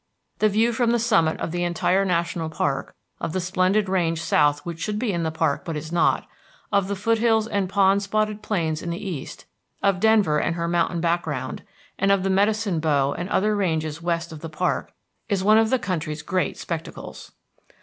The view from the summit of the entire national park, of the splendid range south which should be in the park but is not, of the foothills and pond spotted plains in the east, of Denver and her mountain background, and of the Medicine Bow and other ranges west of the park, is one of the country's great spectacles.